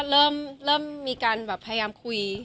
ตอนนี้ก็เริ่มมีการพยายามคุย